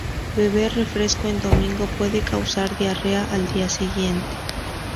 Beber refresco en domingo puede causar diarrea al día siguiente.